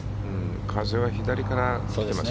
風は左からきていますね。